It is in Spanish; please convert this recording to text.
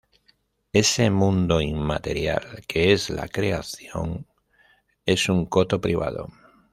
ese mundo inmaterial que es la creación, es un coto privado